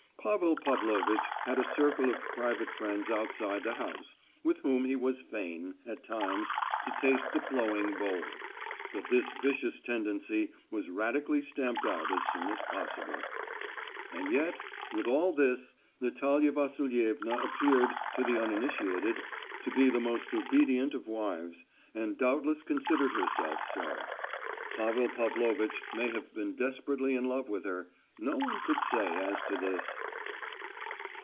Pavel Pavlovitch had a circle of private friends outside the house, with whom he was fain, at times, to taste the flowing bowl; but this vicious tendency was radically stamped out as soon as possible. And yet, with all this, Natalia Vasilievna appeared, to the uninitiated, to be the most obedient of wives, and doubtless considered herself so. Pavel Pavlovitch may have been desperately in love with her,—no one could say as to this.